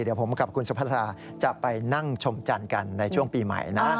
เดี๋ยวผมกับคุณสุภาษาจะไปนั่งชมจันทร์กันในช่วงปีใหม่นะ